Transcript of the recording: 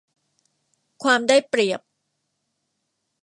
ความได้เปรียบ